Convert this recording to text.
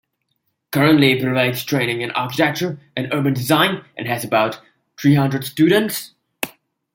Currently provides training in architecture and urban design and has about three hundred students.